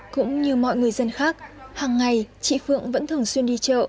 cũng như mọi người dân khác hàng ngày chị phượng vẫn thường xuyên đi chợ